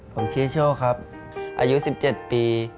ผมชีชโชครับอายุ๑๗ปี